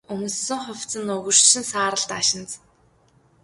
Өмссөн хувцас нь өгөршсөн саарал даашинз.